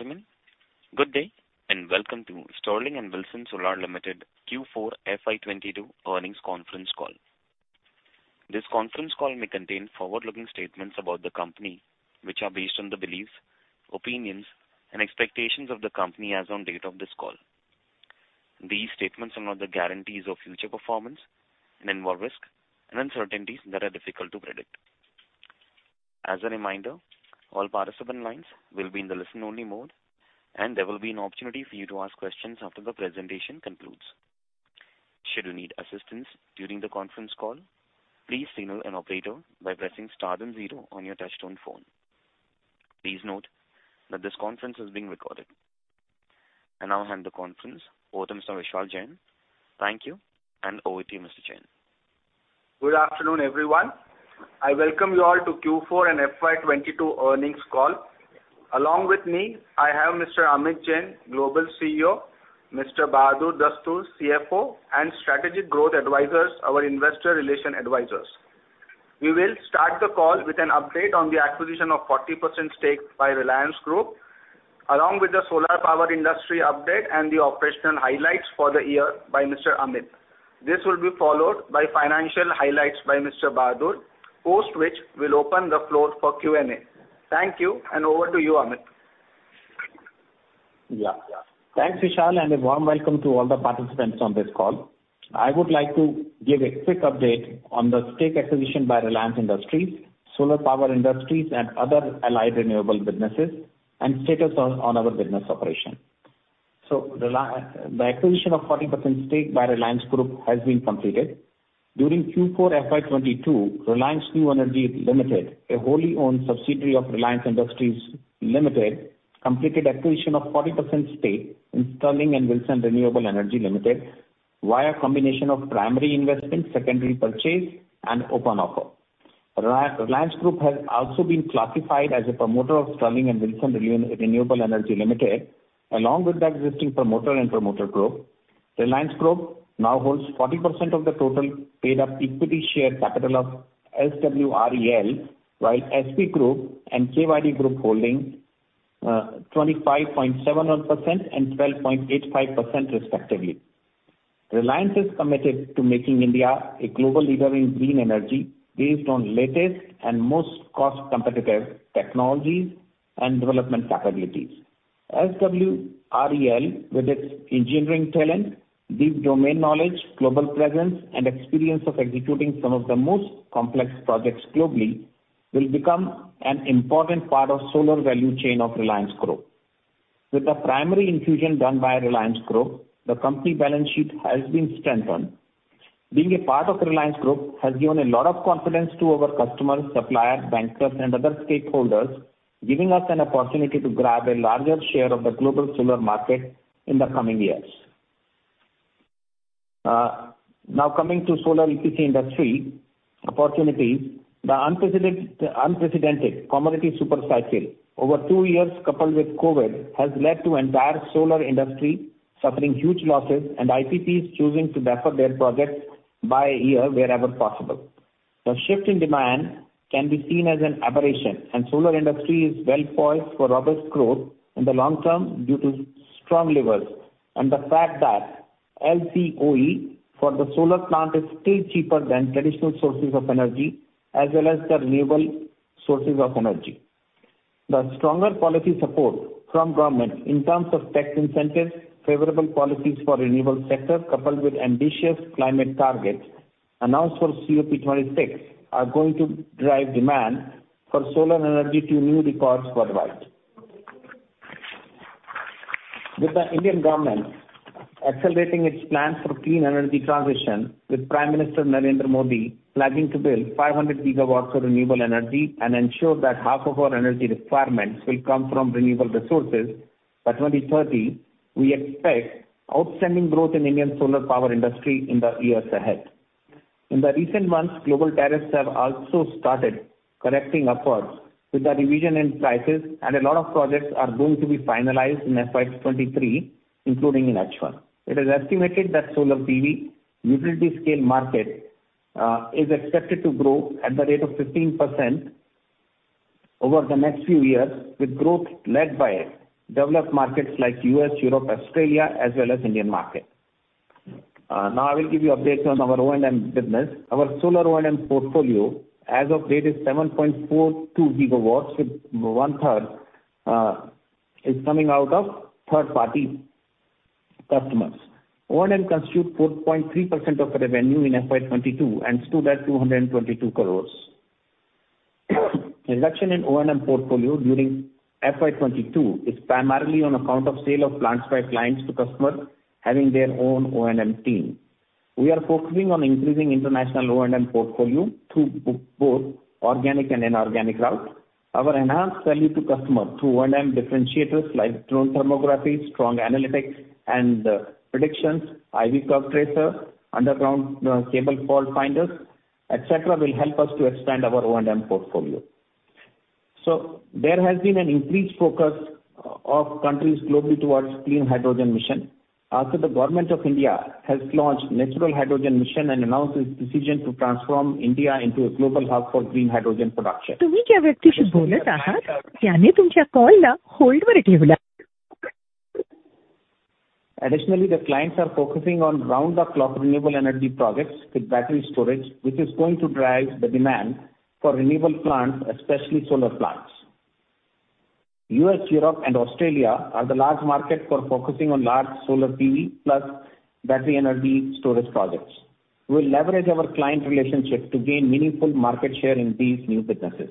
Ladies and gentlemen, good day and welcome to Sterling and Wilson Solar Limited Q4 FY 2022 earnings conference call. This conference call may contain forward-looking statements about the company which are based on the beliefs, opinions and expectations of the company as on date of this call. These statements are not the guarantees of future performance and involve risks and uncertainties that are difficult to predict. As a reminder, all participant lines will be in the listen-only mode and there will be an opportunity for you to ask questions after the presentation concludes. Should you need assistance during the conference call, please signal an operator by pressing star then zero on your touchtone phone. Please note that this conference is being recorded. I now hand the conference over to Mr. Vishal Jain. Thank you and over to you, Mr. Jain. Good afternoon, everyone. I welcome you all to Q4 and FY 2022 earnings call. Along with me, I have Mr. Amit Jain, Global CEO, Mr. Bahadur Dastoor, CFO, and Strategic Growth Advisors, our investor relations advisors. We will start the call with an update on the acquisition of 40% stake by Reliance Group, along with the solar power industry update and the operational highlights for the year by Mr. Amit. This will be followed by financial highlights by Mr. Bahadur. Post which we'll open the floor for Q&A. Thank you and over to you, Amit. Thanks, Vishal, and a warm welcome to all the participants on this call. I would like to give a quick update on the stake acquisition by Reliance Industries, solar power industries and other allied renewable businesses, and status on our business operation. The acquisition of 40% stake by Reliance Group has been completed. During Q4 FY 2022, Reliance New Energy Limited, a wholly owned subsidiary of Reliance Industries Limited, completed acquisition of 40% stake in Sterling and Wilson Renewable Energy Limited via combination of primary investment, secondary purchase and open offer. Reliance Group has also been classified as a promoter of Sterling and Wilson Renewable Energy Limited, along with the existing promoter and promoter group. Reliance Group now holds 40% of the total paid-up equity share capital of SWREL, while SP Group and KYD Group holding 25.71% and 12.85% respectively. Reliance is committed to making India a global leader in green energy based on latest and most cost competitive technologies and development capabilities. SWREL, with its engineering talent, deep domain knowledge, global presence and experience of executing some of the most complex projects globally, will become an important part of solar value chain of Reliance Group. With the primary infusion done by Reliance Group, the company balance sheet has been strengthened. Being a part of Reliance Group has given a lot of confidence to our customers, suppliers, bankers and other stakeholders, giving us an opportunity to grab a larger share of the global solar market in the coming years. Now coming to solar EPC industry opportunities. The unprecedented commodity super cycle over two years, coupled with COVID, has led to entire solar industry suffering huge losses and IPPs choosing to buffer their projects by a year wherever possible. The shift in demand can be seen as an aberration, and solar industry is well poised for robust growth in the long term due to strong levers and the fact that LCOE for the solar plant is still cheaper than traditional sources of energy, as well as the renewable sources of energy. The stronger policy support from government in terms of tax incentives, favorable policies for renewable sector coupled with ambitious climate targets announced for COP26 are going to drive demand for solar energy to new records worldwide. With the Indian government accelerating its plans for clean energy transition, with Prime Minister Narendra Modi pledging to build 500 GW of renewable energy and ensure that half of our energy requirements will come from renewable resources by 2030, we expect outstanding growth in Indian solar power industry in the years ahead. In the recent months, global tariffs have also started correcting upwards with the revision in prices and a lot of projects are going to be finalized in FY 2023, including in H1. It is estimated that solar PV utility scale market is expected to grow at the rate of 15% over the next few years, with growth led by developed markets like U.S., Europe, Australia as well as Indian market. Now I will give you updates on our O&M business. Our solar O&M portfolio as of date is 7.42 GW, with 1/3 is coming out of third-party customers. O&M constitute 4.3% of revenue in FY 2022 and stood at 222 crores. Reduction in O&M portfolio during FY 2022 is primarily on account of sale of plants by clients to customers having their own O&M team. We are focusing on increasing international O&M portfolio through both organic and inorganic routes. Our enhanced value to customer through O&M differentiators like drone thermography, strong analytics and predictions, IV curve tracer, underground cable fault finders, etc., will help us to expand our O&M portfolio. There has been an increased focus of countries globally towards green hydrogen mission. The government of India has launched National Hydrogen Mission and announced its decision to transform India into a global hub for green hydrogen production. Additionally, the clients are focusing on round the clock renewable energy projects with battery storage, which is going to drive the demand for renewable plants, especially solar plants. U.S., Europe, and Australia are the large market for focusing on large solar PV plus battery energy storage projects. We'll leverage our client relationship to gain meaningful market share in these new businesses.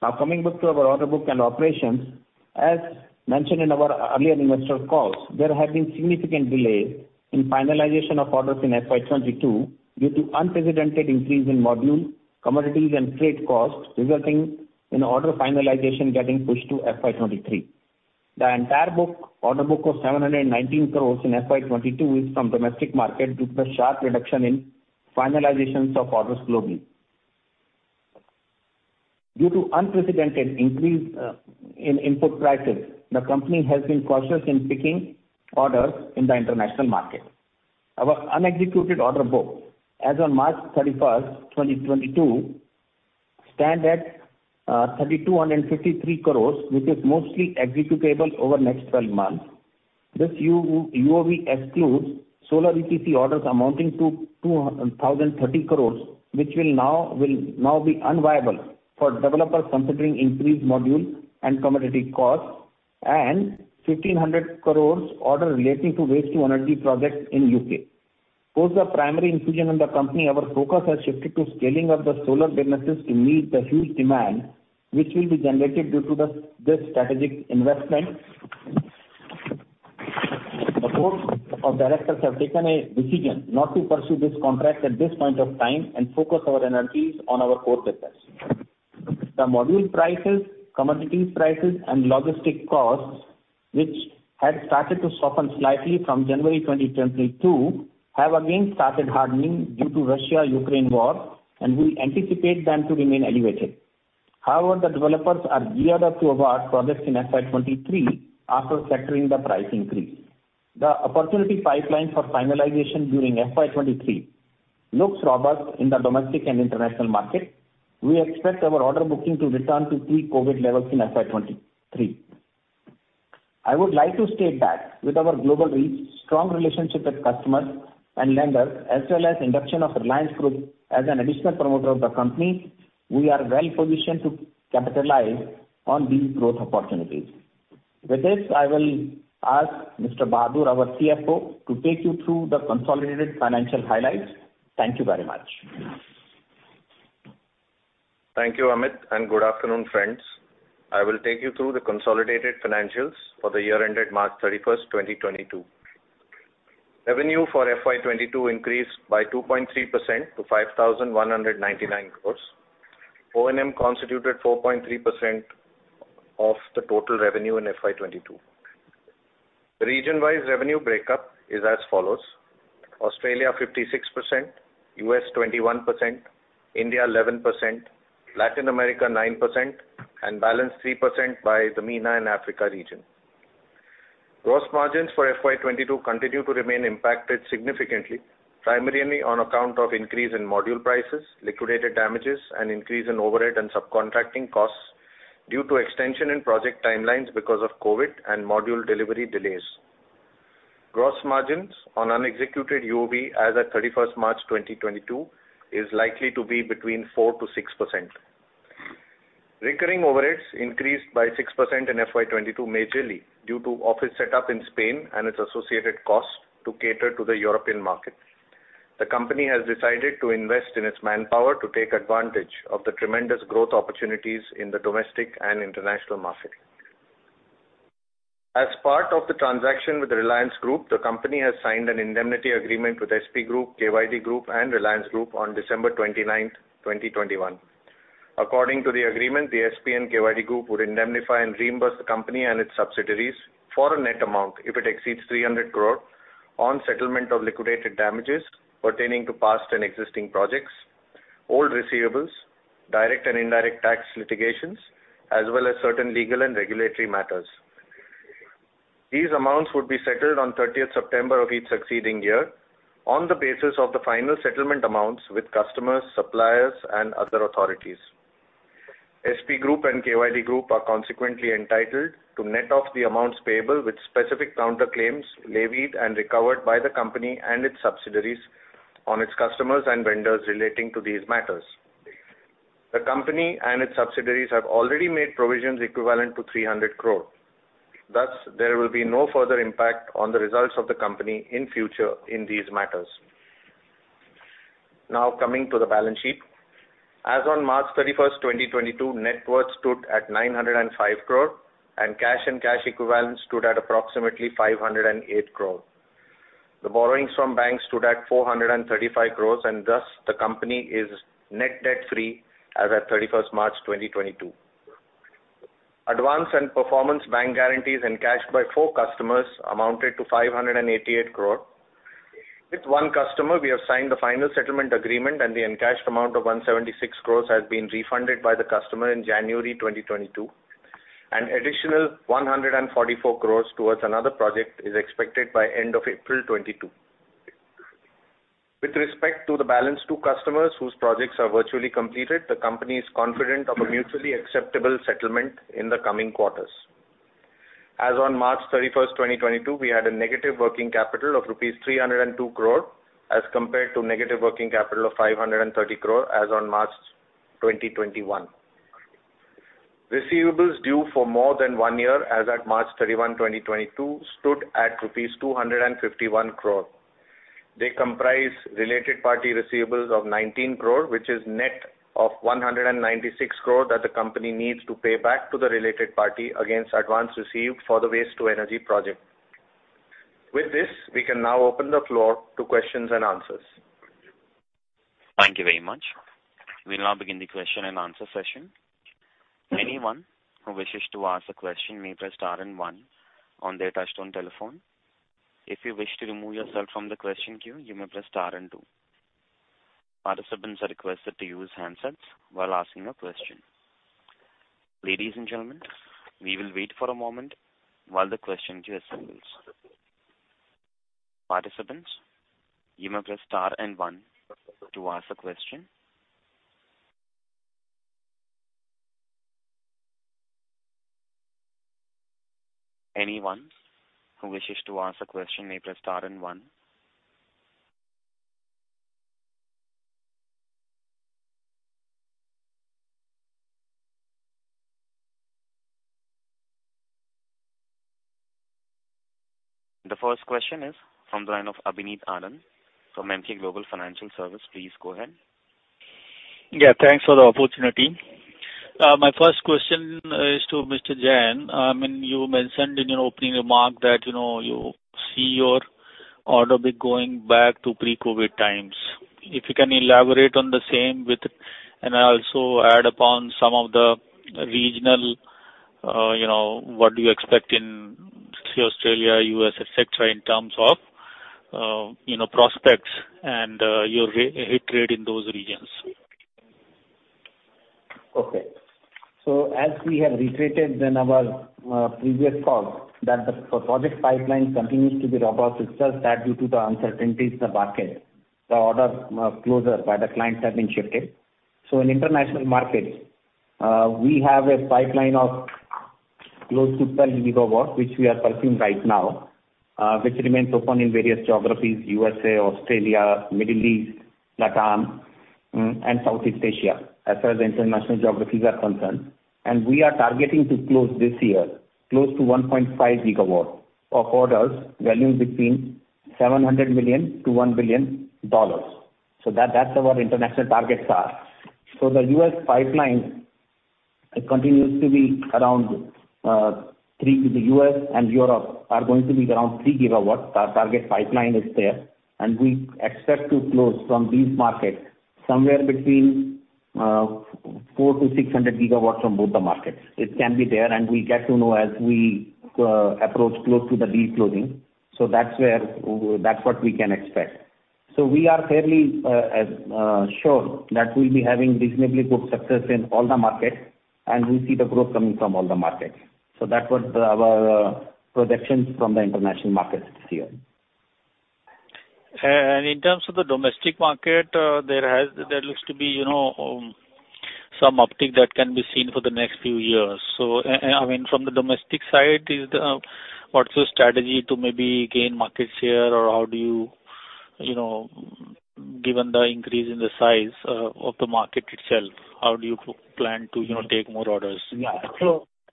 Now coming back to our order book and operations, as mentioned in our earlier investor calls, there have been significant delays in finalization of orders in FY 2022 due to unprecedented increase in module, commodities, and freight costs, resulting in order finalization getting pushed to FY 2023. The entire order book of 719 crore in FY 2022 is from the domestic market due to the sharp reduction in finalizations of orders globally. Due to unprecedented increase in input prices, the company has been cautious in picking orders in the international market. Our unexecuted order book as on March 31st, 2022 stands at 3,253 crore, which is mostly executable over the next 12 months. This UOB excludes solar EPC orders amounting to 2,030 crore, which will now be unviable for developers considering increased module and commodity costs, and 1,500 crore orders relating to waste-to-energy projects in U.K. Post the primary infusion in the company, our focus has shifted to scaling up the solar businesses to meet the huge demand which will be generated due to this strategic investment. The board of directors have taken a decision not to pursue this contract at this point of time and focus our energies on our core business. The module prices, commodities prices, and logistic costs, which had started to soften slightly from January 2022, have again started hardening due to Russia-Ukraine war, and we anticipate them to remain elevated. However, the developers are geared up to award projects in FY 2023 after factoring the price increase. The opportunity pipeline for finalization during FY 2023 looks robust in the domestic and international market. We expect our order booking to return to pre-COVID levels in FY 2023. I would like to state that with our global reach, strong relationship with customers and lenders, as well as induction of Reliance Group as an additional promoter of the company, we are well-positioned to capitalize on these growth opportunities. With this, I will ask Mr. Bahadur, our CFO, to take you through the consolidated financial highlights. Thank you very much. Thank you, Amit, and good afternoon, friends. I will take you through the consolidated financials for the year ended March 31st, 2022. Revenue for FY 2022 increased by 2.3% to 5,199 crores. O&M constituted 4.3% of the total revenue in FY 2022. The region-wise revenue breakup is as follows. Australia 56%, U.S. 21%, India 11%, Latin America 9%, and balance 3% by the MENA and Africa region. Gross margins for FY 2022 continue to remain impacted significantly, primarily on account of increase in module prices, liquidated damages, and increase in overhead and subcontracting costs due to extension in project timelines because of COVID and module delivery delays. Gross margins on unexecuted UOB as of 31st March 2022 is likely to be between 4%-6%. Recurring overheads increased by 6% in FY 2022, majorly due to office set up in Spain and its associated costs to cater to the European market. The company has decided to invest in its manpower to take advantage of the tremendous growth opportunities in the domestic and international market. As part of the transaction with Reliance Group, the company has signed an indemnity agreement with SP Group, KYD Group, and Reliance Group on December 29th, 2021. According to the agreement, the SP and KYD Group would indemnify and reimburse the company and its subsidiaries for a net amount if it exceeds 300 crore on settlement of liquidated damages pertaining to past and existing projects, old receivables, direct and indirect tax litigations, as well as certain legal and regulatory matters. These amounts would be settled on 30th September of each succeeding year on the basis of the final settlement amounts with customers, suppliers, and other authorities. SP Group and KYD Group are consequently entitled to net off the amounts payable with specific counterclaims levied and recovered by the company and its subsidiaries on its customers and vendors relating to these matters. The company and its subsidiaries have already made provisions equivalent to 300 crore. Thus, there will be no further impact on the results of the company in future in these matters. Now, coming to the balance sheet. As on March 31st, 2022, net worth stood at 905 crore, and cash and cash equivalents stood at approximately 508 crore. The borrowings from banks stood at 435 crore, and thus the company is net debt-free as of 31st March 2022. Advance and performance bank guarantees and cash by four customers amounted to 588 crore. With one customer, we have signed the final settlement agreement, and the encashed amount of 176 crore has been refunded by the customer in January 2022. An additional 144 crore towards another project is expected by end of April 2022. With respect to the balance two customers whose projects are virtually completed, the company is confident of a mutually acceptable settlement in the coming quarters. As on March 31st, 2022, we had a negative working capital of rupees 302 crore as compared to negative working capital of 530 crore as on March 2021. Receivables due for more than one year as at March 31, 2022 stood at rupees 251 crore. They comprise related party receivables of 19 crore, which is net of 196 crore that the company needs to pay back to the related party against advance received for the waste-to-energy project. With this, we can now open the floor to questions and answers. Thank you very much. We'll now begin the question and answer session. Anyone who wishes to ask a question may press star and one on their touch-tone telephone. If you wish to remove yourself from the question queue, you may press star and two. Participants are requested to use handsets while asking a question. Ladies and gentlemen, we will wait for a moment while the question queue assembles. Participants, you may press star and one to ask a question. Anyone who wishes to ask a question may press star and one. The first question is from the line of Abhineet Anand from Emkay Global Financial Services. Please go ahead. Yeah, thanks for the opportunity. My first question is to Mr. Jain. When you mentioned in your opening remark that, you know, you see your order book going back to pre-COVID times. If you can elaborate on the same with, and also add upon some of the regional, you know, what do you expect in, say, Australia, U.S., et cetera, in terms of, you know, prospects and, your hit rate in those regions. Okay. As we have reiterated in our previous calls that the project pipeline continues to be robust in itself that due to the uncertainties in the market, the orders closer by the clients have been shifted. In international markets, we have a pipeline of close to 12 GW, which we are pursuing right now, which remains open in various geographies USA, Australia, Middle East, LATAM, and Southeast Asia, as far as international geographies are concerned. We are targeting to close this year close to 1.5 GW of orders valued between $700 million-$1 billion. That's our international targets. The U.S. pipeline continues to be around 3 GW. The U.S. and Europe are going to be around 3 GW. Our target pipeline is there, and we expect to close from these markets somewhere between 400-600 MW from both the markets. It can be there, and we get to know as we approach close to the deal closing. That's what we can expect. We are fairly sure that we'll be having reasonably good success in all the markets, and we see the growth coming from all the markets. That was our projections from the international markets this year. In terms of the domestic market, there looks to be, you know, some uptick that can be seen for the next few years. I mean, from the domestic side, what's your strategy to maybe gain market share or how do you know, given the increase in the size of the market itself, how do you plan to, you know, take more orders? Yeah.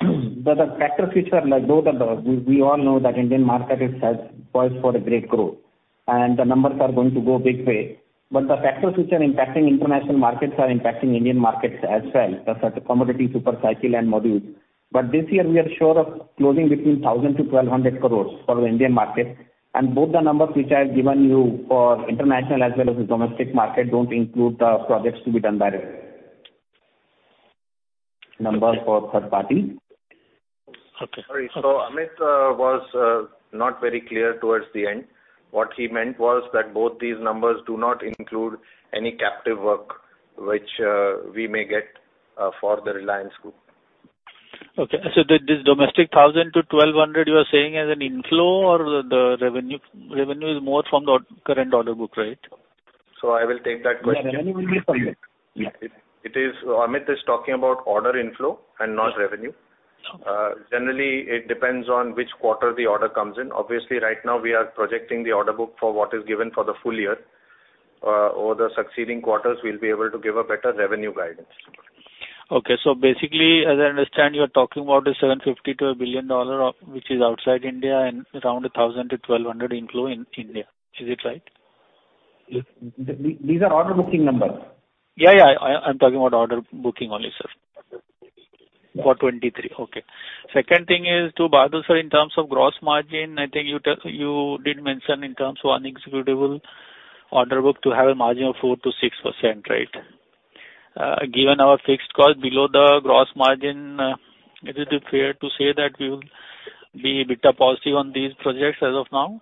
The factors which are like both of those, we all know that Indian market is poised for a great growth and the numbers are going to go big way. The factors which are impacting international markets are impacting Indian markets as well, the commodity super cycle and modules. This year we are sure of closing between 1,000 crore-1,200 crore for the Indian market. Both the numbers which I have given you for international as well as the domestic market don't include the projects to be done by numbers for third party. Okay. Sorry. Amit was not very clear towards the end. What he meant was that both these numbers do not include any captive work which we may get for the Reliance Group. Okay. This domestic 1,000-1,200 crore you are saying as an inflow or the revenue is more from the current order book, right? I will take that question. Yeah, revenue will be from it. Yeah. Amit is talking about order inflow and not revenue. Generally it depends on which quarter the order comes in. Obviously, right now we are projecting the order book for what is given for the full year. Over the succeeding quarters we'll be able to give a better revenue guidance. Okay. Basically, as I understand, you're talking about $750 million-$1 billion of which is outside India and around 1,000-1,200 crore inflow in India. Is it right? These are order booking numbers. Yeah, yeah. I'm talking about order booking only, sir. For 2023. Okay. Second thing is to Bahadur in terms of gross margin. I think you did mention in terms of unexecuted order book to have a margin of 4%-6%, right? Given our fixed cost below the gross margin, is it fair to say that we will be a bit positive on these projects as of now?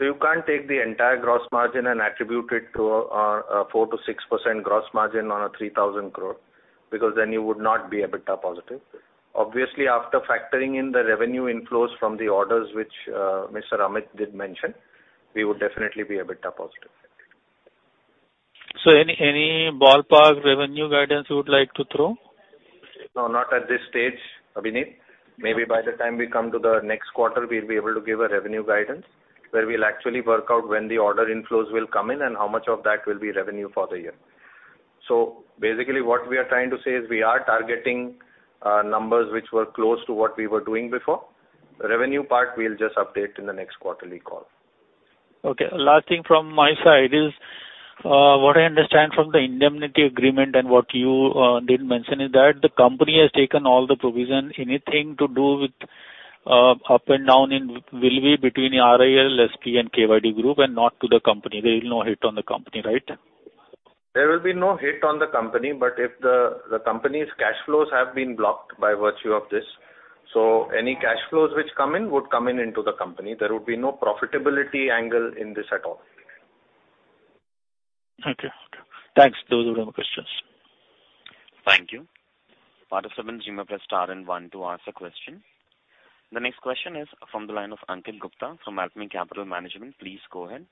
You can't take the entire gross margin and attribute it to a 4%-6% gross margin on 3,000 crore because then you would not be EBITDA positive. Obviously, after factoring in the revenue inflows from the orders which Mr. Amit did mention, we would definitely be EBITDA positive. Any ballpark revenue guidance you would like to throw? No, not at this stage, Abhineet. Maybe by the time we come to the next quarter, we'll be able to give a revenue guidance where we'll actually work out when the order inflows will come in and how much of that will be revenue for the year. Basically what we are trying to say is we are targeting numbers which were close to what we were doing before. Revenue part we'll just update in the next quarterly call. Okay. Last thing from my side is what I understand from the indemnity agreement and what you did mention is that the company has taken all the provision. Anything to do with ups and downs will be between RIL, SP and KYD Group and not to the company. There is no hit on the company, right? There will be no hit on the company, but if the company's cash flows have been blocked by virtue of this, so any cash flows which come in would come in into the company. There would be no profitability angle in this at all. Okay. Thanks. Those were my questions. Thank you. Operator, please press star one to ask a question. The next question is from the line of Ankit Gupta from Alchemy Capital Management. Please go ahead.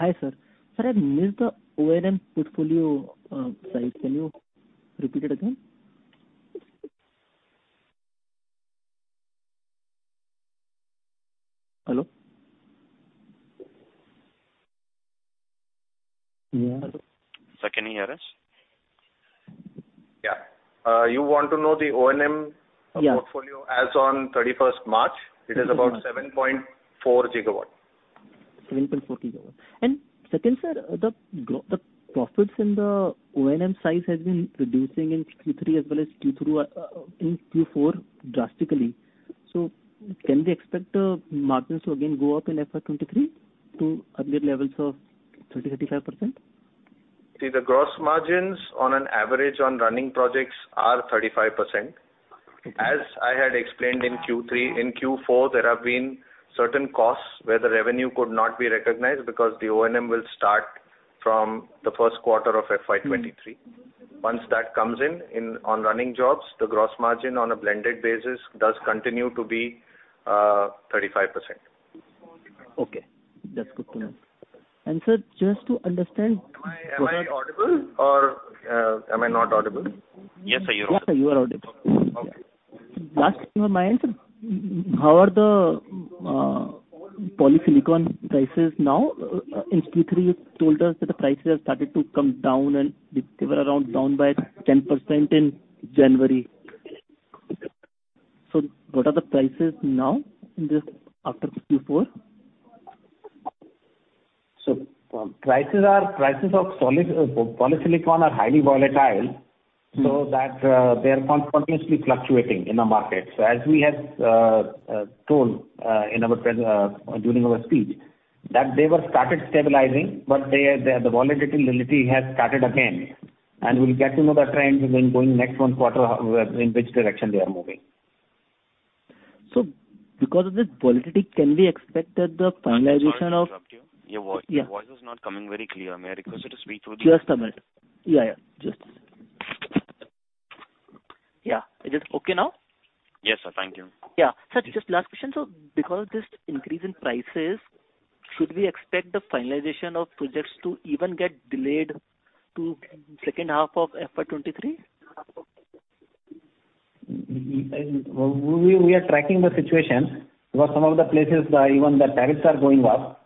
Hi, sir. Sir, I missed the O&M portfolio size. Can you repeat it again? Hello? Sir, can he hear us? Yeah. You want to know the O&M portfolio? Yeah. As on 31st March, it is about 7.4 GW. 7.4 GW. Second, sir, the profits in the O&M side has been reducing in Q3 as well as Q2 in Q4 drastically. Can we expect the margins to again go up in FY 2023 to earlier levels of 30%-35%? See, the gross margins on an average on running projects are 35%. As I had explained in Q3, in Q4 there have been certain costs where the revenue could not be recognized because the O&M will start from the first quarter of FY 2023. Once that comes in on running jobs, the gross margin on a blended basis does continue to be 35%. Okay. That's good to know. Sir, just to understand- Am I audible or am I not audible? Yes, sir, you're audible. Yes, sir, you are audible. Okay. Last thing on my end, sir. How are the polysilicon prices now? In Q3 you told us that the prices have started to come down and they were down around 10% in January. What are the prices now after Q4? Prices of solar polysilicon are highly volatile so that they are continuously fluctuating in the market. As we had told during our speech, they started stabilizing, but the volatility has started again and we'll get to know the trends when going next one quarter how in which direction they are moving. Because of this volatility, can we expect that the finalization of- Sorry to interrupt you. Your voice- Yeah. Your voice is not coming very clear. May I request you to speak through the Just a minute. Yeah, yeah. Just. Yeah. Is it okay now? Yes, sir. Thank you. Yeah. Sir, just last question, sir. Because this increase in prices, should we expect the finalization of projects to even get delayed to second half of FY 2023? We are tracking the situation. For some of the places, even the tariffs are going up.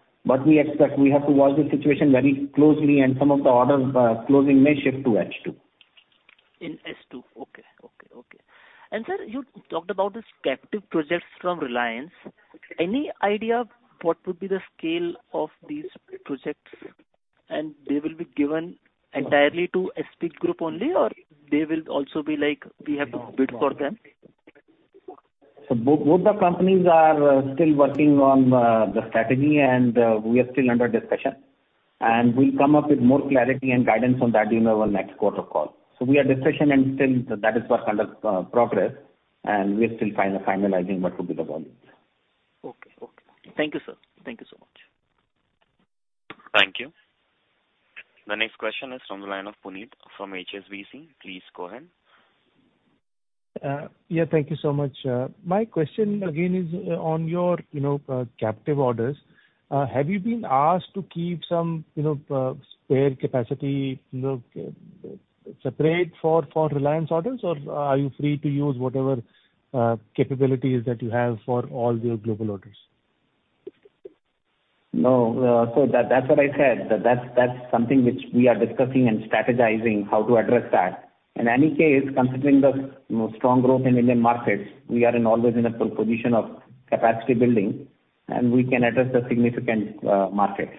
We expect we have to watch the situation very closely, and some of the orders closing may shift to H2. Okay. Sir, you talked about this captive projects from Reliance. Any idea what would be the scale of these projects? They will be given entirely to SP Group only or they will also be like we have to bid for them? Both the companies are still working on the strategy and we are still under discussion. We'll come up with more clarity and guidance on that during our next quarter call. We are discussing and still that is work in progress and we are still finalizing what could be the volume. Okay. Thank you, sir. Thank you so much. Thank you. The next question is from the line of Puneet from HSBC. Please go ahead. Thank you so much. My question again is on your, you know, captive orders. Have you been asked to keep some, you know, spare capacity, you know, separate for Reliance orders or are you free to use whatever capabilities that you have for all your global orders? No, that's what I said. That's something which we are discussing and strategizing how to address that. In any case, considering the you know strong growth in Indian markets, we are always in a position of capacity building, and we can address the significant markets.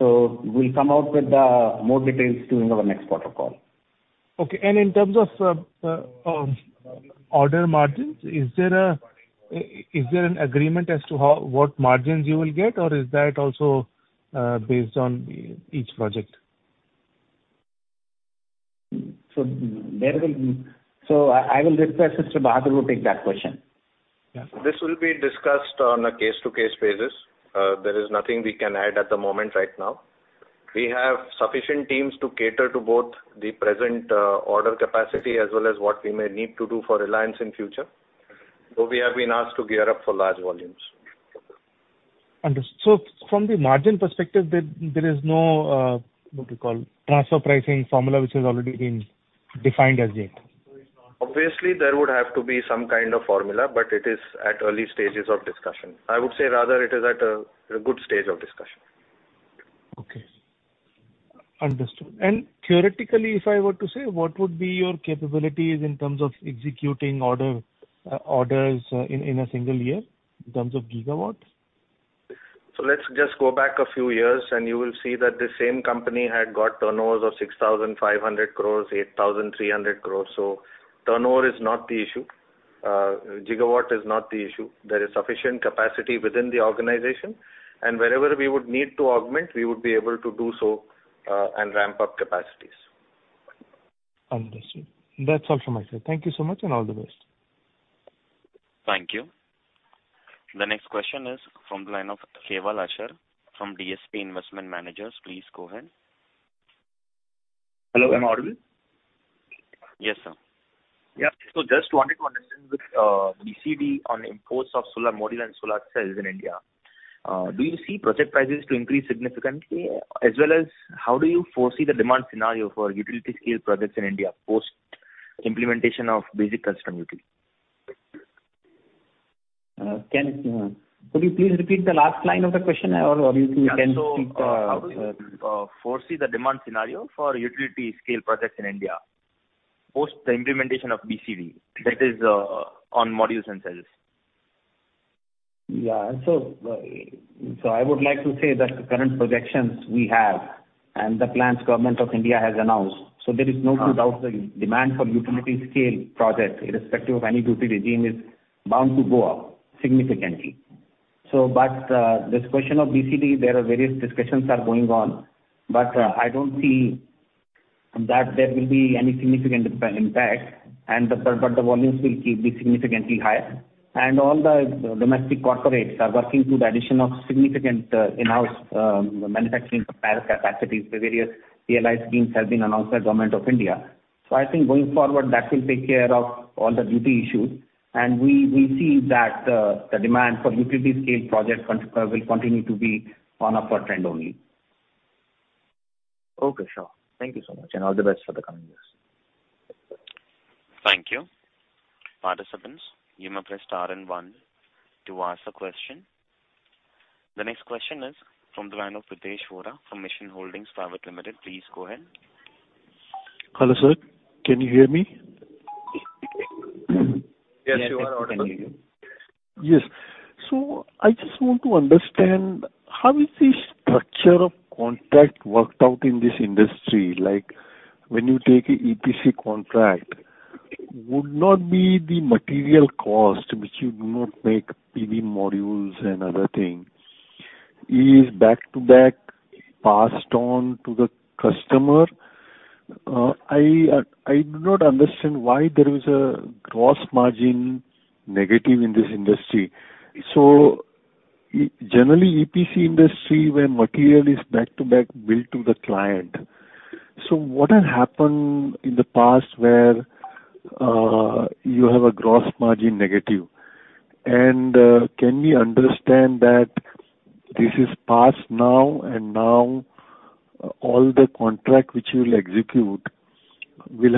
We'll come out with more details during our next quarter call. Okay. In terms of order margins, is there an agreement as to what margins you will get? Or is that also based on each project? I will request Mr. Bahadur to take that question. Yeah. This will be discussed on a case to case basis. There is nothing we can add at the moment right now. We have sufficient teams to cater to both the present order capacity as well as what we may need to do for Reliance in future. We have been asked to gear up for large volumes. Understood. From the margin perspective, there is no, what you call, transfer pricing formula, which has already been defined as yet? Obviously, there would have to be some kind of formula, but it is at early stages of discussion. I would say rather it is at a good stage of discussion. Okay. Understood. Theoretically, if I were to say, what would be your capabilities in terms of executing orders in a single year in terms of gigawatts? Let's just go back a few years, and you will see that the same company had got turnovers of 6,500 crores, 8,300 crores. Turnover is not the issue. Gigawatt is not the issue. There is sufficient capacity within the organization, and wherever we would need to augment, we would be able to do so, and ramp up capacities. Understood. That's all from my side. Thank you so much, and all the best. Thank you. The next question is from the line of Keval Ashar from DSP Investment Managers. Please go ahead. Hello, am I audible? Yes, sir. Yeah. Just wanted to understand with BCD on imports of solar module and solar cells in India, do you see project prices to increase significantly? As well as how do you foresee the demand scenario for utility scale projects in India, post implementation of basic customs duty? Could you please repeat the last line of the question, or you can speak. Yeah. How do you foresee the demand scenario for utility scale projects in India, post the implementation of BCD, that is, on modules and cells? I would like to say that the current projections we have and the plans the Government of India has announced, there is no- Mm-hmm. No doubt the demand for utility scale projects, irrespective of any duty regime, is bound to go up significantly. This question of BCD, there are various discussions going on, but Yeah. I don't see that there will be any significant impact, but the volumes will keep being significantly higher. All the domestic corporates are working through the addition of significant in-house manufacturing capacities. The various DLI schemes have been announced by Government of India. I think going forward, that will take care of all the duty issues, and we will see that the demand for utility scale projects will continue to be on an upward trend only. Okay. Sure. Thank you so much, and all the best for the coming years. Thank you. Participants, you may press star and one to ask a question. The next question is from the line of Pritesh Vora from Mission Holdings Private Limited. Please go ahead. Hello, sir. Can you hear me? Yes, we can hear you. Yes, you are audible. Yes. I just want to understand how is the structure of contract worked out in this industry? Like, when you take a EPC contract, would not be the material cost, which you do not make PV modules and other things, is back-to-back passed on to the customer? I do not understand why there is a gross margin negative in this industry. Generally, EPC industry, when material is back-to-back billed to the client, what had happened in the past where you have a gross margin negative? Can we understand that this is past now and now all the contract which you will execute will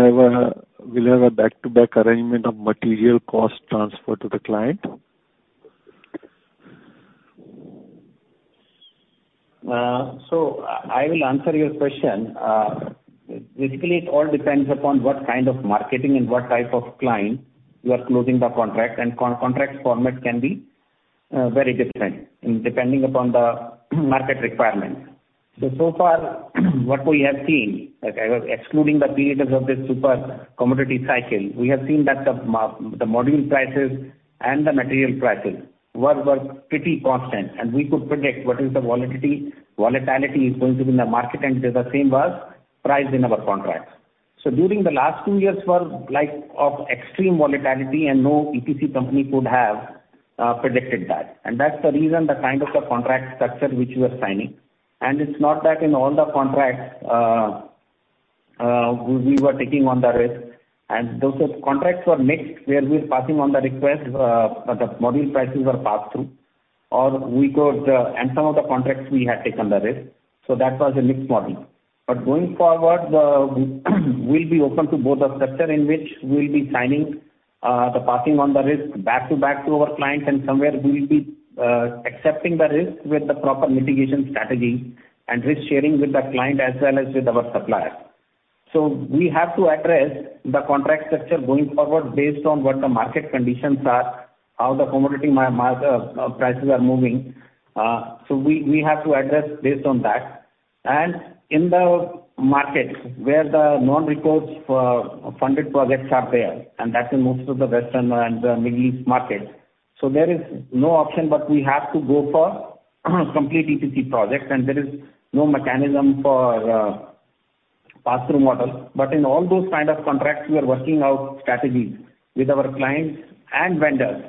have a back-to-back arrangement of material cost transfer to the client? I will answer your question. Basically, it all depends upon what kind of marketing and what type of client you are closing the contract, and contract format can be very different depending upon the market requirement. So far, what we have seen, like I was excluding the periods of this super commodity cycle, we have seen that the module prices and the material prices were pretty constant, and we could predict what the volatility is going to be in the market, and it is the same as pricing in our contracts. During the last two years were like of extreme volatility and no EPC company could have predicted that. That's the reason the kind of the contract structure which we are signing. It's not that in all the contracts we were taking on the risk. Those contracts were mixed, where we were passing on the risk, but the module prices were passed through. Some of the contracts we had taken the risk. That was a mixed model. Going forward, we'll be open to both the structure in which we'll be signing the passing on the risk back-to-back to our clients, and somewhere we will be accepting the risk with the proper mitigation strategy and risk sharing with the client as well as with our supplier. We have to address the contract structure going forward based on what the market conditions are. How the commodity market prices are moving. We have to address based on that. In the markets where the non-recourse funded projects are there, and that's in most of the Western and Middle East markets. There is no option, but we have to go for complete EPC projects, and there is no mechanism for pass-through model. In all those kind of contracts, we are working out strategies with our clients and vendors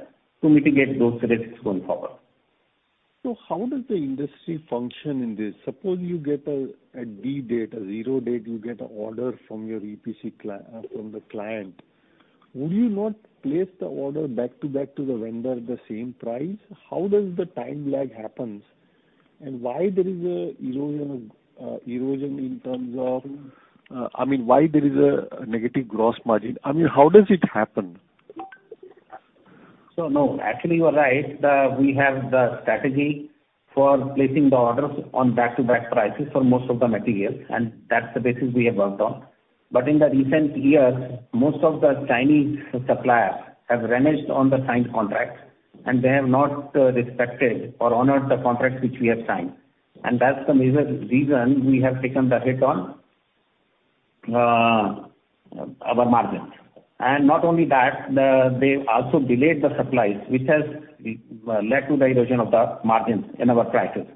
to mitigate those risks going forward. How does the industry function in this? Suppose you get a D-date, a zero date, you get an order from the client. Would you not place the order back-to-back to the vendor at the same price? How does the time lag happen? Why there is erosion in terms of, I mean, why there is a negative gross margin? I mean, how does it happen? No, actually you are right. We have the strategy for placing the orders on back-to-back prices for most of the materials, and that's the basis we have worked on. In the recent years, most of the Chinese suppliers have reneged on the signed contracts, and they have not respected or honored the contracts which we have signed. That's the major reason we have taken the hit on our margins. Not only that, they've also delayed the supplies, which has led to the erosion of the margins in our prices.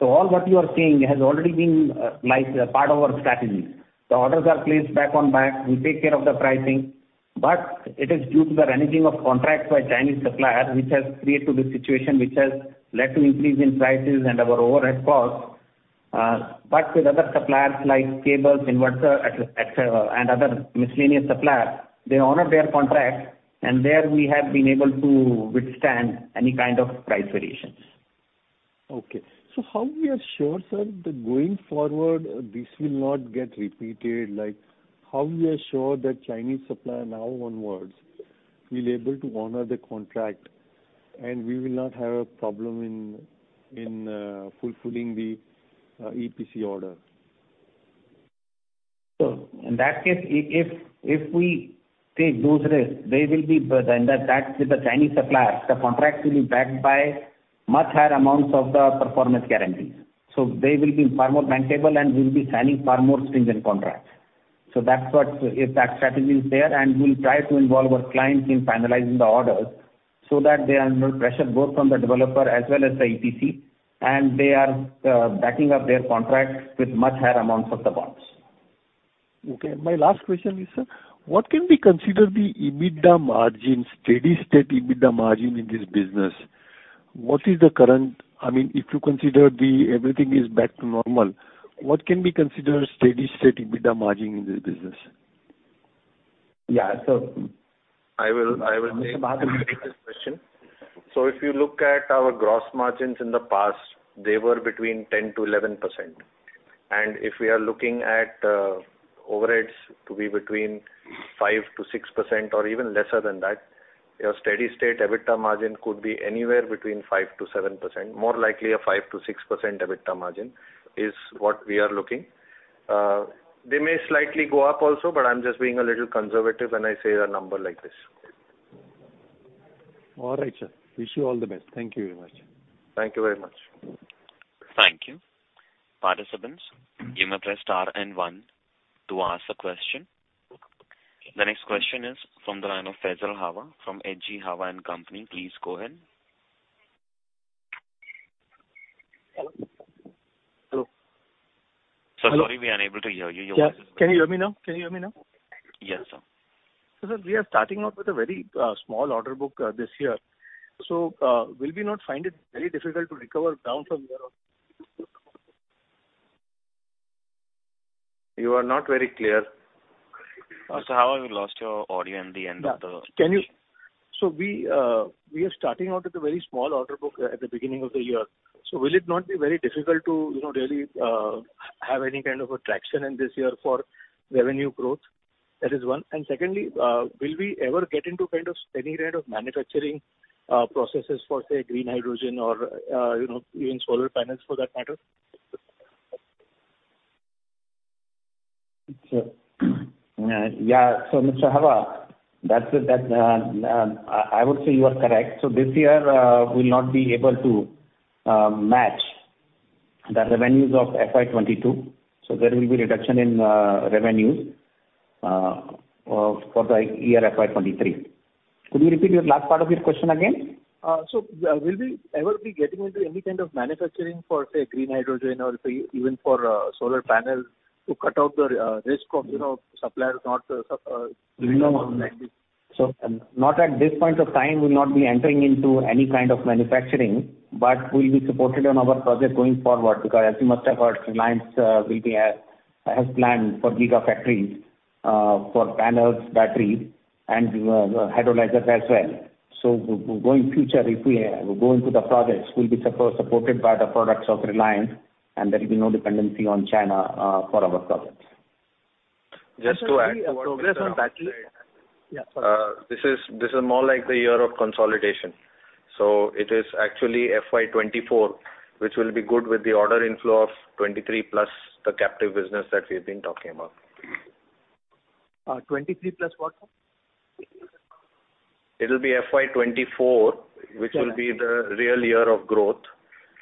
All that you are saying has already been like part of our strategy. The orders are placed back-to-back. We take care of the pricing. It is due to the reneging of contracts by Chinese suppliers which has created this situation, which has led to increase in prices and our overhead costs. With other suppliers like cables, inverters, et cetera, and other miscellaneous suppliers, they honor their contracts, and there we have been able to withstand any kind of price variations. Okay. How we are sure, sir, that going forward, this will not get repeated? Like, how we are sure that Chinese supplier now onwards will able to honor the contract and we will not have a problem in fulfilling the EPC order? In that case, if we take those risks, they will be then that's with the Chinese suppliers. The contracts will be backed by much higher amounts of the performance guarantees. They will be far more bankable, and we'll be signing far more stringent contracts. If that strategy is there, and we'll try to involve our clients in finalizing the orders so that they are under pressure both from the developer as well as the EPC, and they are backing up their contracts with much higher amounts of the bonds. Okay. My last question is, sir, what can we consider the EBITDA margin, steady-state EBITDA margin in this business? What is the current, I mean, if you consider that everything is back to normal, what can we consider steady-state EBITDA margin in this business? Yeah. I will take Bahadur will take it. If you look at our gross margins in the past, they were between 10%-11%. If we are looking at overheads to be between 5%-6% or even lesser than that, your steady-state EBITDA margin could be anywhere between 5%-7%, more likely a 5%-6% EBITDA margin is what we are looking. They may slightly go up also, but I'm just being a little conservative when I say a number like this. All right, sir. Wish you all the best. Thank you very much. Thank you very much. Thank you. Participants, you may press star and one to ask a question. The next question is from the line of Faisal Hawa from H.G. Hawa and Company. Please go ahead. Hello? Hello? Sir, sorry, we are unable to hear you. Yeah. Can you hear me now? Can you hear me now? Yes, sir. Sir, we are starting out with a very small order book this year. Will we not find it very difficult to recover ground from here on? You are not very clear. Mr. Hawa, we lost your audio in the end of the. We are starting out with a very small order book at the beginning of the year. Will it not be very difficult to, you know, really, have any kind of a traction in this year for revenue growth? That is one. Secondly, will we ever get into kind of any area of manufacturing processes for, say, green hydrogen or, you know, even solar panels for that matter? Yeah. Mr. Hawa, that's it. That, I would say you are correct. This year, we'll not be able to match the revenues of FY 2022, so there will be reduction in revenues for the year FY 2023. Could you repeat your last part of your question again? Will we ever be getting into any kind of manufacturing for, say, green hydrogen or say even for solar panels to cut out the risk of, you know, suppliers not No. Not at this point of time, we'll not be entering into any kind of manufacturing, but we'll be supported on our project going forward. Because as you must have heard, Reliance will be at, has planned for gigafactories for panels, batteries and electrolyzers as well. In future, if we go into the projects, we'll be supported by the products of Reliance, and there'll be no dependency on China for our projects. Just to add to what Bahadur said. Sir, any progress on batteries? Yeah, sorry. This is more like the year of consolidation. It is actually FY 2024 which will be good with the order inflow of 23+ the captive business that we've been talking about. 23+ what, sir? It'll be FY 2024. Got it. Which will be the real year of growth.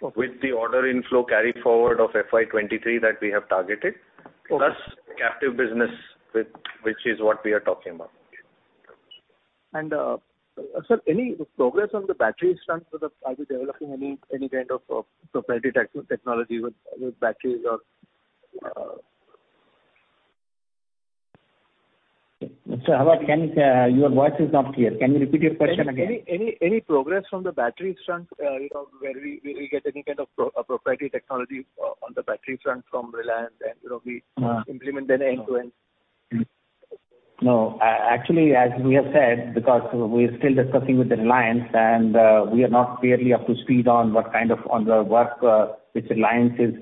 Okay. With the order inflow carry forward of FY 2023 that we have targeted. Okay. Plus captive business, which is what we are talking about. Sir, any progress on the battery front? Are you developing any kind of proprietary technology with batteries or... Sir, your voice is not clear. Can you repeat your question again? Any progress from the battery front, you know, where we get any kind of proprietary technology on the battery front from Reliance and, you know, we- Uh. Implement an end-to-end? No, actually, as we have said, because we're still discussing with Reliance and we are not clearly up to speed on what kind of work which Reliance is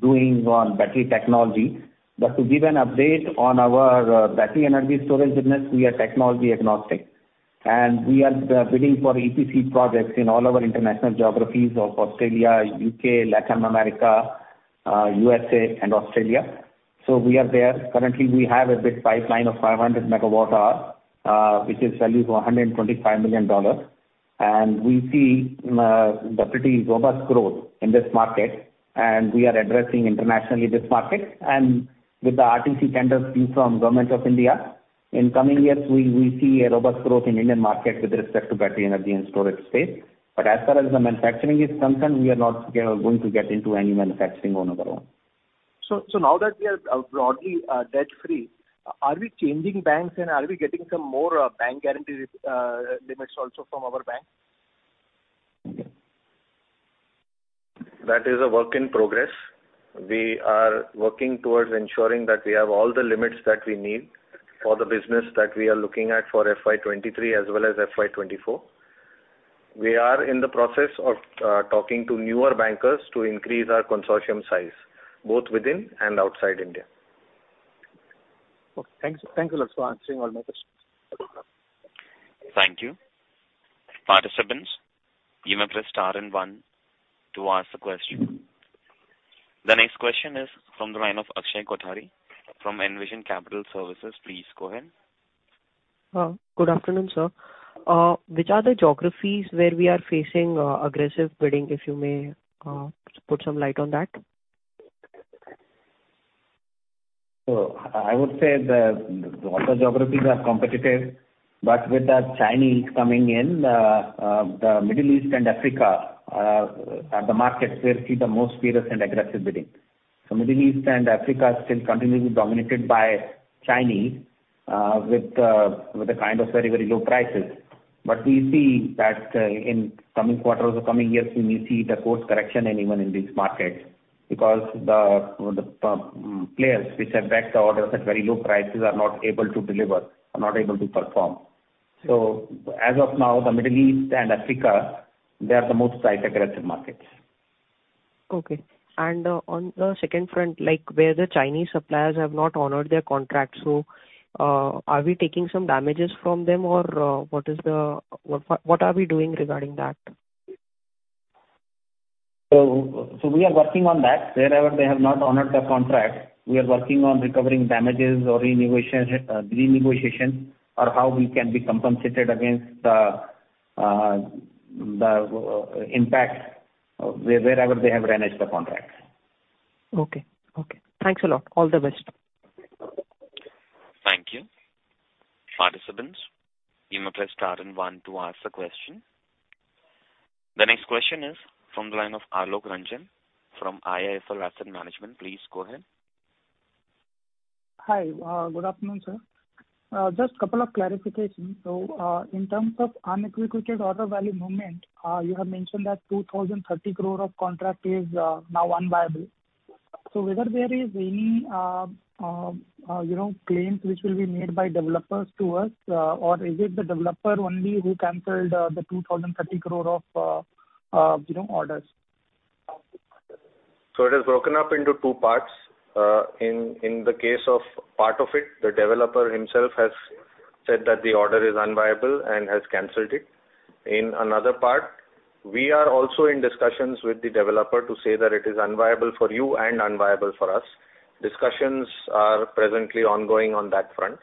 doing on battery technology. To give an update on our battery energy storage business, we are technology agnostic, and we are bidding for EPC projects in all our international geographies of Australia, U.K., Latin America, USA and Australia. We are there. Currently we have a big pipeline of 500 MWh, which is valued at $125 million. We see a pretty robust growth in this market, and we are addressing internationally this market. With the RTC tenders seen from Government of India, in coming years, we see a robust growth in Indian market with respect to battery energy storage space. As far as the manufacturing is concerned, we are not going to get into any manufacturing on our own. Now that we are broadly debt free, are we changing banks and are we getting some more bank guarantee limits also from our bank? That is a work in progress. We are working towards ensuring that we have all the limits that we need for the business that we are looking at for FY 2023 as well as FY 2024. We are in the process of talking to newer bankers to increase our consortium size, both within and outside India. Okay. Thank you. Thank you a lot for answering all my questions. Thank you. Participants, you may press star and one to ask the question. The next question is from the line of Akshay Kothari from Envision Capital Services. Please go ahead. Good afternoon, sir. Which are the geographies where we are facing aggressive bidding, if you may, put some light on that? I would say a lot of geographies are competitive, but with the Chinese coming in, the Middle East and Africa are the markets where we see the most fierce and aggressive bidding. Middle East and Africa are still continuously dominated by Chinese with the kind of very, very low prices. We see that in coming quarters or coming years, we may see the course correction and even in these markets, because the players which have bagged the orders at very low prices are not able to deliver, are not able to perform. As of now, the Middle East and Africa, they are the most price aggressive markets. Okay. On the second front, like where the Chinese suppliers have not honored their contracts. Are we taking some damages from them or, what are we doing regarding that? We are working on that. Wherever they have not honored the contract, we are working on recovering damages or renegotiation or how we can be compensated against the impact wherever they have reneged the contract. Okay. Thanks a lot. All the best. Thank you. Participants, you may press star and one to ask the question. The next question is from the line of Alok Ranjan from IIFL Asset Management. Please go ahead. Hi. Good afternoon, sir. Just couple of clarifications. In terms of unexecuted order value movement, you have mentioned that 2,030 crore of contract is now unviable. Whether there is any, you know, claims which will be made by us to developers, or is it the developer only who canceled the 2,030 crore of, you know, orders? It is broken up into two parts. In the case of part of it, the developer himself has said that the order is unviable and has canceled it. In another part, we are also in discussions with the developer to say that it is unviable for you and unviable for us. Discussions are presently ongoing on that front,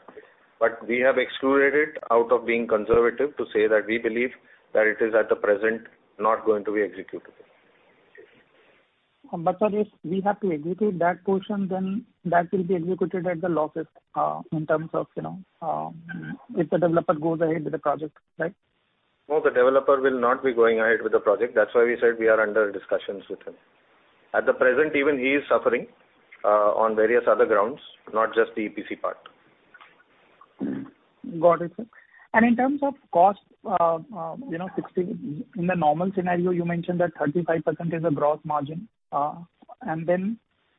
but we have excluded it out of being conservative to say that we believe that it is at the present not going to be executable. Sir, if we have to execute that portion then that will be executed at the losses, in terms of, you know, if the developer goes ahead with the project, right? No, the developer will not be going ahead with the project. That's why we said we are under discussions with him. At the present even he is suffering on various other grounds, not just the EPC part. Got it, sir. In terms of cost, you know, in the normal scenario, you mentioned that 35% is the gross margin. Then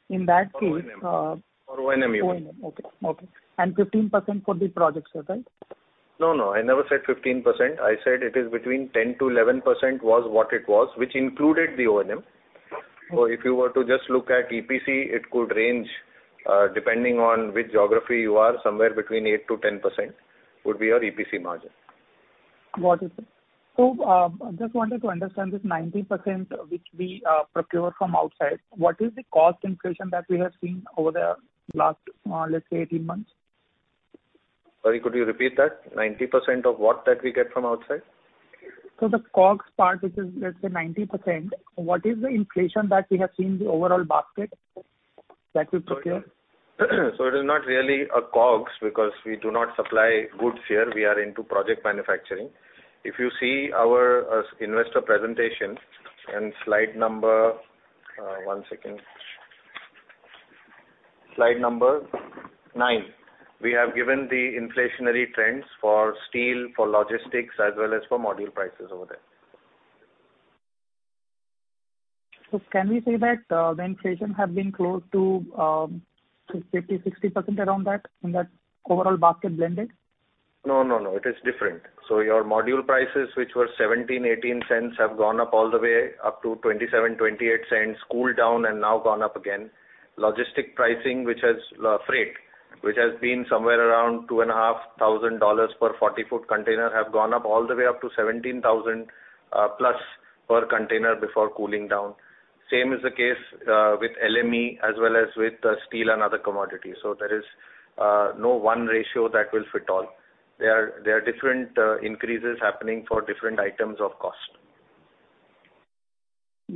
in that case, O&M even. O&M. Okay. 15% for this project, sir, right? No, no, I never said 15%. I said it is between 10%-11% was what it was, which included the O&M. If you were to just look at EPC, it could range, depending on which geography you are, somewhere between 8%-10% would be our EPC margin. Got it. I just wanted to understand this 90% which we procure from outside, what is the cost inflation that we have seen over the last, let's say 18 months? Sorry, could you repeat that? 90% of what we get from outside? The COGS part, which is, let's say 90%, what is the inflation that we have seen the overall basket that we procure? It is not really a COGS because we do not supply goods here. We are into project manufacturing. If you see our investor presentation in slide number nine, we have given the inflationary trends for steel, for logistics, as well as for module prices over there. Can we say that the inflation have been close to 50%-60% around that, in that overall basket blended? No, no. It is different. Your module prices, which were $0.17-$0.18, have gone up all the way up to $0.27-$0.28, cooled down, and now gone up again. Logistics pricing, which has freight, which has been somewhere around $2,500 per 40-ft container, have gone up all the way up to $17,000+ per container before cooling down. Same is the case with LME as well as with steel and other commodities. There is no one ratio that will fit all. There are different increases happening for different items of cost.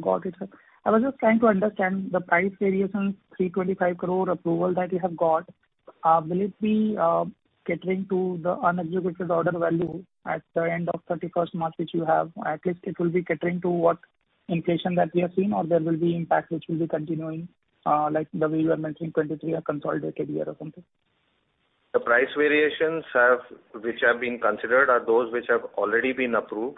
Got it. I was just trying to understand the price variations, 325 crore approval that you have got. Will it be catering to the unexecuted order value at the end of 31st March which you have? At least it will be catering to what inflation that we have seen or there will be impact which will be continuing, like the way you are mentioning 2023, a consolidated year or something. The price variations, which have been considered, are those which have already been approved.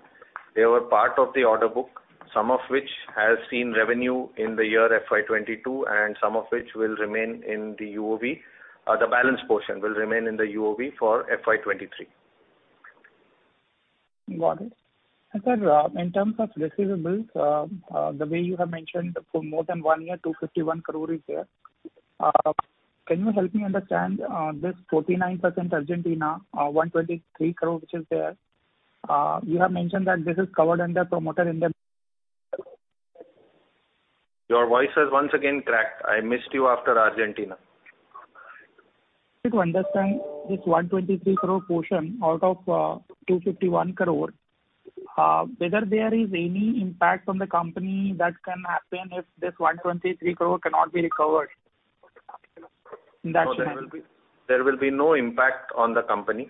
They were part of the order book, some of which has seen revenue in the year FY 2022 and some of which will remain in the UOB. The balance portion will remain in the UOB for FY 2023. Got it. Sir, in terms of receivables, the way you have mentioned for more than one year, 251 crore is there. Can you help me understand, this 49% Argentina, 123 crore which is there? You have mentioned that this is covered under promoter indem- Your voice has once again cracked. I missed you after Argentina. To understand this 123 crore portion out of 251 crore, whether there is any impact on the company that can happen if this 123 crore cannot be recovered in that sense. There will be no impact on the company.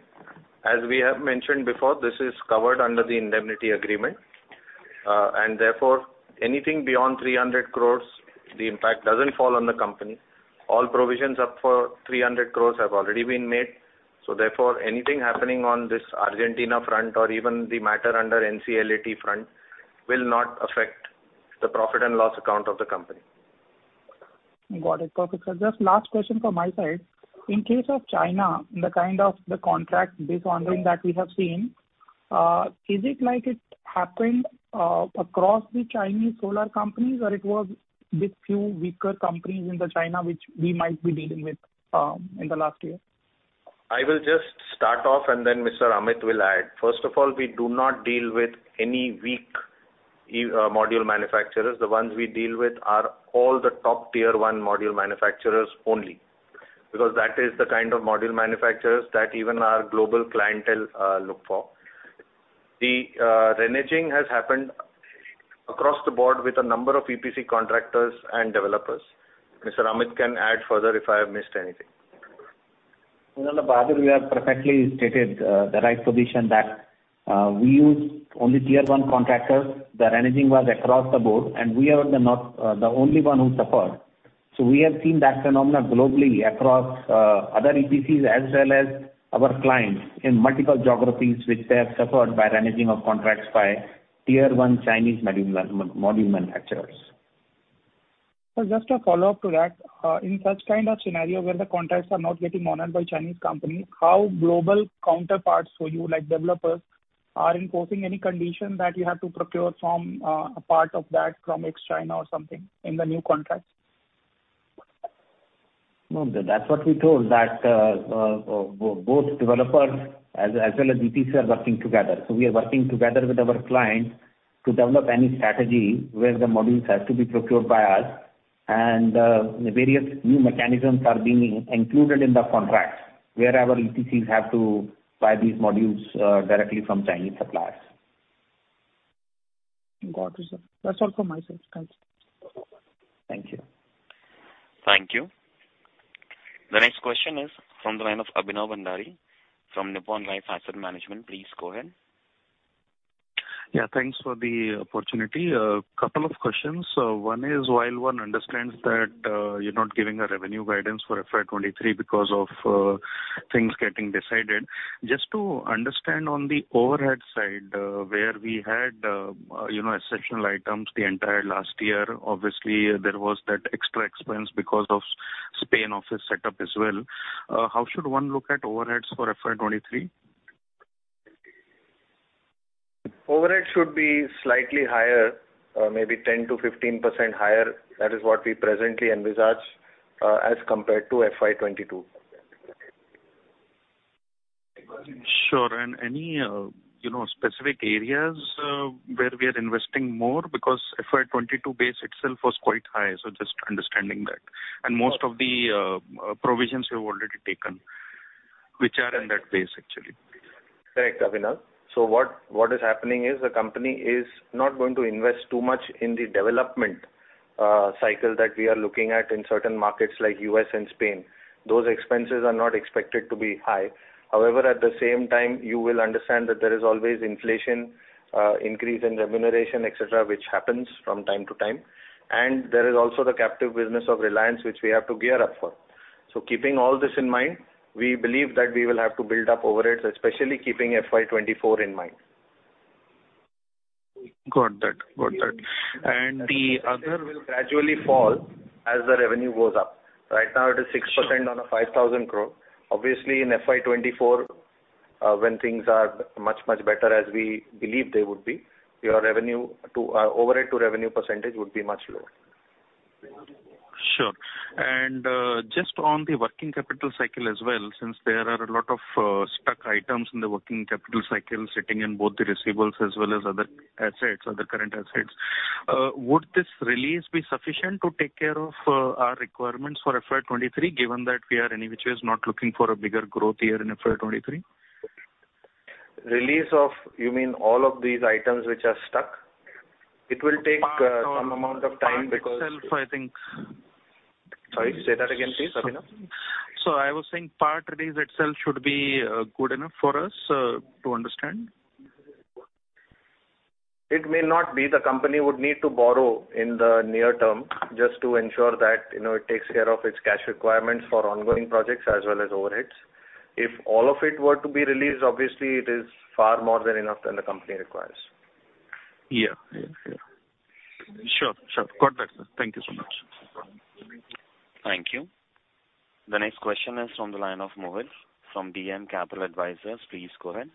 As we have mentioned before, this is covered under the indemnity agreement. And therefore, anything beyond 300 crores, the impact doesn't fall on the company. All provisions up for 300 crores have already been made. Therefore, anything happening on this Argentina front or even the matter under NCLAT front will not affect the profit and loss account of the company. Got it. Perfect, sir. Just last question from my side. In case of China, the kind of the contract dishonoring that we have seen, is it like it happened, across the Chinese solar companies or it was with few weaker companies in the China which we might be dealing with, in the last year? I will just start off and then Mr. Amit will add. First of all, we do not deal with any weak module manufacturers. The ones we deal with are all the top tier one module manufacturers only. Because that is the kind of module manufacturers that even our global clientele look for. The reneging has happened across the board with a number of EPC contractors and developers. Mr. Amit can add further if I have missed anything. No, no, Bahadur, you have perfectly stated the right position that we use only tier one contractors. The reneging was across the board, and we are not the only one who suffered. We have seen that phenomenon globally across other EPCs as well as our clients in multiple geographies which they have suffered by reneging of contracts by tier one Chinese module manufacturers. Sir, just a follow-up to that. In such kind of scenario where the contracts are not getting honored by Chinese company, how global counterparts for you, like developers, are imposing any condition that you have to procure from, a part of that from ex-China or something in the new contracts? No, that's what we told, that both developers as well as EPCs are working together. We are working together with our clients to develop any strategy where the modules have to be procured by us. The various new mechanisms are being included in the contracts, where our EPCs have to buy these modules directly from Chinese suppliers. Got it, sir. That's all from myself. Thanks. Thank you. Thank you. The next question is from the line of Abhinav Bhandari from Nippon Life India Asset Management. Please go ahead. Yeah, thanks for the opportunity. A couple of questions. One is while one understands that you're not giving a revenue guidance for FY 2023 because of things getting decided. Just to understand on the overhead side, where we had you know exceptional items the entire last year. Obviously, there was that extra expense because of Spain office set up as well. How should one look at overheads for FY 2023? Overhead should be slightly higher, maybe 10%-15% higher. That is what we presently envisage, as compared to FY 2022. Sure. Any, you know, specific areas where we are investing more because FY 2022 base itself was quite high. Just understanding that. Most of the provisions you have already taken, which are in that base, actually. Correct, Abhinav. What is happening is the company is not going to invest too much in the development cycle that we are looking at in certain markets like U.S. and Spain. Those expenses are not expected to be high. However, at the same time, you will understand that there is always inflation, increase in remuneration, et cetera, which happens from time to time. There is also the captive business of Reliance, which we have to gear up for. Keeping all this in mind, we believe that we will have to build up overheads, especially keeping FY 2024 in mind. Got that. The other- Will gradually fall as the revenue goes up. Right now it is 6% on a 5,000 crore. Obviously, in FY 2024, when things are much, much better as we believe they would be, your revenue to, overhead to revenue percentage would be much lower. Sure. Just on the working capital cycle as well, since there are a lot of stuck items in the working capital cycle sitting in both the receivables as well as other assets, other current assets, would this release be sufficient to take care of our requirements for FY 2023, given that we are any which way not looking for a bigger growth year in FY 2023? Release of, you mean all of these items which are stuck? It will take some amount of time because. Itself, I think. Sorry. Say that again, please, Abhinav. I was saying part release itself should be good enough for us to understand. It may not be. The company would need to borrow in the near term just to ensure that, you know, it takes care of its cash requirements for ongoing projects as well as overheads. If all of it were to be released, obviously it is far more than enough than the company requires. Yeah. Sure. Got that, sir. Thank you so much. Thank you. The next question is from the line of Mohit from DAM Capital Advisors. Please go ahead.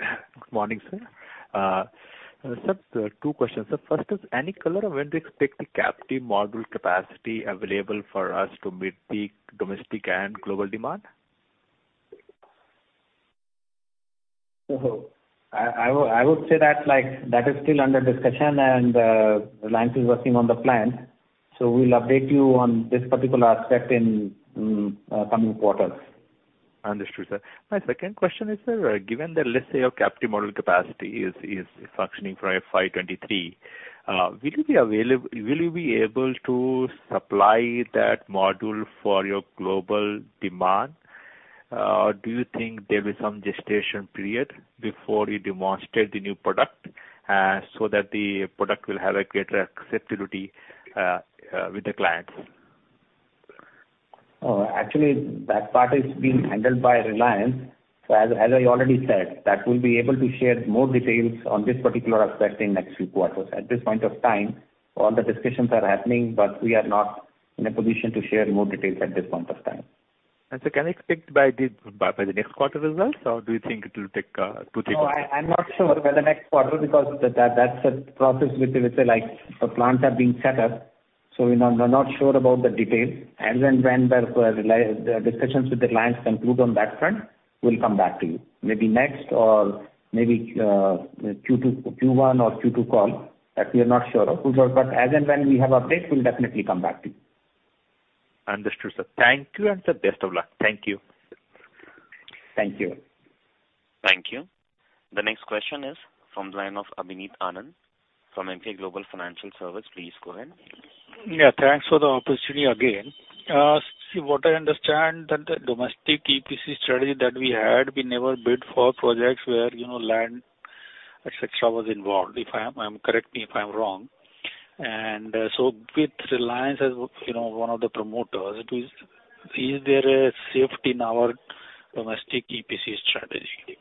Good morning, sir. Sir, two questions. The first is any color of when to expect the captive module capacity available for us to meet the domestic and global demand? I would say that, like, that is still under discussion and Reliance is working on the plan. We'll update you on this particular aspect in coming quarters. Understood, sir. My second question is, sir, given that let's say your captive module capacity is functioning for FY 2023, will you be able to supply that module for your global demand? Do you think there is some gestation period before you demonstrate the new product, so that the product will have a greater acceptability with the clients? Actually that part is being handled by Reliance. As I already said, that we'll be able to share more details on this particular aspect in next few quarters. At this point of time, all the discussions are happening, but we are not in a position to share more details at this point of time. Can I expect by the next quarter results, or do you think it will take two, three quarters? No, I'm not sure by the next quarter because that's a process which is like the plants are being set up, so we're not sure about the details. As and when the discussions with Reliance conclude on that front, we'll come back to you. Maybe next or maybe Q1 or Q2 call that we are not sure of. As and when we have updates, we'll definitely come back to you. Understood, sir. Thank you, and sir, best of luck. Thank you. Thank you. Thank you. The next question is from the line of Abhineet Anand from Emkay Global Financial Services. Please go ahead. Yeah, thanks for the opportunity again. As I understand, the domestic EPC strategy that we had, we never bid for projects where, you know, land et cetera was involved. Correct me if I'm wrong. With Reliance as, you know, one of the promoters, is there a shift in our domestic EPC strategy?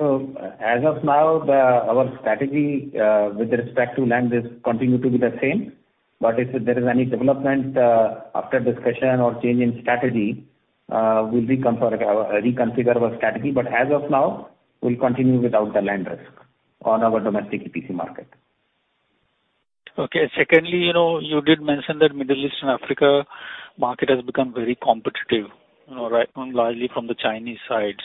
As of now, our strategy with respect to land risk continues to be the same. If there is any development after discussion or change in strategy, we'll reconfigure our strategy. As of now, we'll continue without the land risk on our domestic EPC market. Okay. Secondly, you know, you did mention that Middle East and Africa market has become very competitive, you know, right, largely from the Chinese side.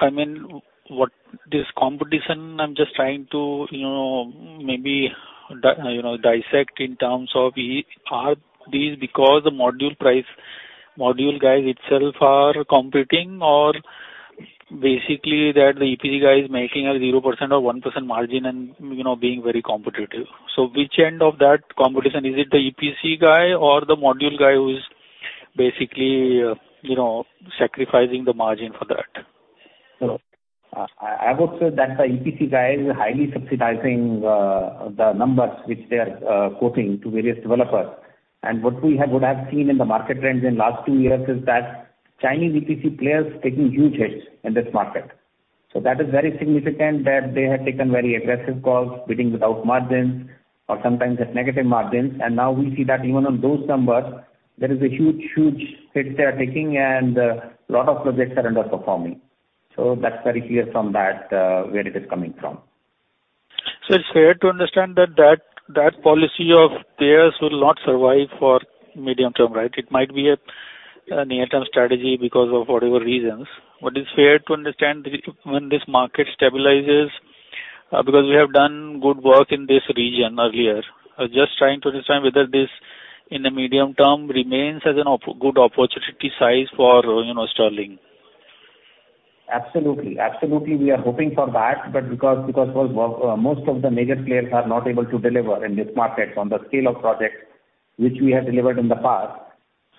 I mean, what this competition, I'm just trying to, you know, maybe you know, dissect in terms of are these because the module price, module guys itself are competing or basically that the EPC guy is making a 0% or 1% margin and, you know, being very competitive. Which end of that competition, is it the EPC guy or the module guy who is basically, you know, sacrificing the margin for that? I would say that the EPC guy is highly subsidizing the numbers which they are quoting to various developers. What we would have seen in the market trends in last two years is that Chinese EPC players taking huge hits in this market. That is very significant that they have taken very aggressive calls, bidding without margins or sometimes at negative margins. Now we see that even on those numbers, there is a huge, huge hit they are taking and a lot of projects are underperforming. That's very clear from that, where it is coming from. It's fair to understand that policy of theirs will not survive for medium-term, right? It might be a near-term strategy because of whatever reasons, but it's fair to understand when this market stabilizes, because we have done good work in this region earlier. I was just trying to understand whether this in the medium term remains as an opportunity size for, you know, Sterling. Absolutely, we are hoping for that. Because most of the major players are not able to deliver in this market on the scale of projects which we have delivered in the past.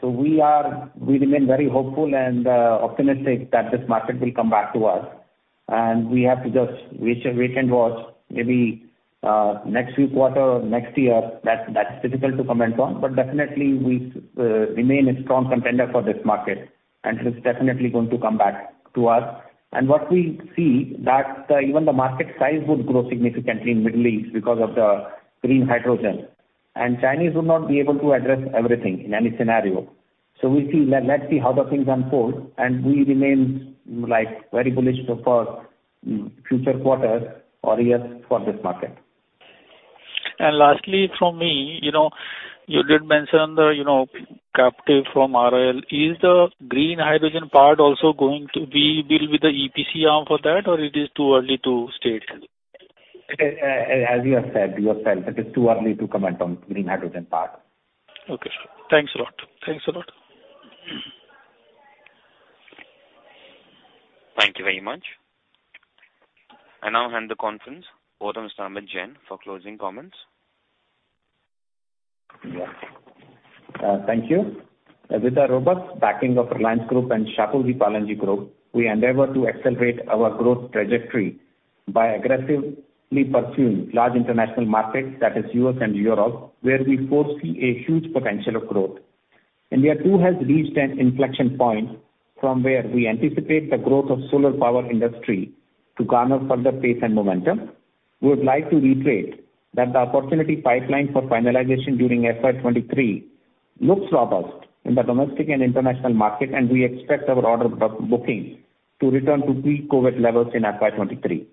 We remain very hopeful and optimistic that this market will come back to us. We have to just wait and watch maybe next week, quarter or next year. That's difficult to comment on. Definitely we remain a strong contender for this market, and it is definitely going to come back to us. What we see that even the market size would grow significantly in the Middle East because of the green hydrogen. Chinese will not be able to address everything in any scenario. We'll see. Let's see how the things unfold, and we remain, like, very bullish for future quarters or years for this market. Lastly from me, you know, you did mention the, you know, captive from RIL. Is the green hydrogen part also going to be built with the EPC arm for that, or it is too early to state? As you have said yourself, it is too early to comment on green hydrogen part. Okay. Thanks a lot. Thanks a lot. Thank you very much. I now hand the conference over to Mr. Amit Jain for closing comments. Yeah. Thank you. With the robust backing of Reliance Group and Shapoorji Pallonji Group, we endeavor to accelerate our growth trajectory by aggressively pursuing large international markets, that is U.S. and Europe, where we foresee a huge potential of growth. India too has reached an inflection point from where we anticipate the growth of solar power industry to garner further pace and momentum. We would like to reiterate that the opportunity pipeline for finalization during FY 2023 looks robust in the domestic and international market, and we expect our order booking to return to pre-COVID levels in FY 2023.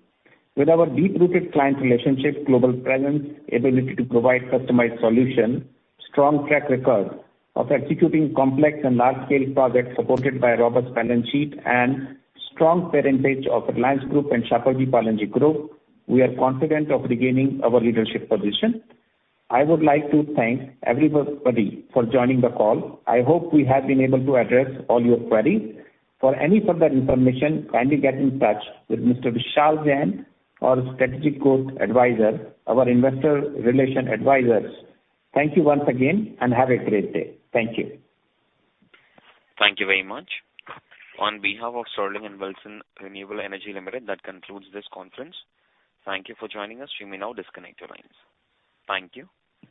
With our deep-rooted client relationships, global presence, ability to provide customized solution, strong track record of executing complex and large scale projects supported by a robust balance sheet and strong parentage of Reliance Group and Shapoorji Pallonji Group, we are confident of regaining our leadership position. I would like to thank everybody for joining the call. I hope we have been able to address all your queries. For any further information, kindly get in touch with Mr. Vishal Jain, our Strategic Growth Advisors, our investor relations advisors. Thank you once again and have a great day. Thank you. Thank you very much. On behalf of Sterling and Wilson Renewable Energy Limited, that concludes this conference. Thank you for joining us. You may now disconnect your lines. Thank you.